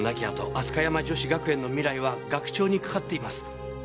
あと飛鳥山女子学園の未来は学長にかかっています。